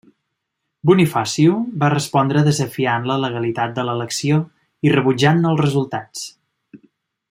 Bonifacio va respondre desafiant la legalitat de l'elecció i rebutjant-ne els resultats.